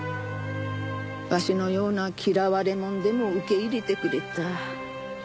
わしのような嫌われもんでも受け入れてくれた。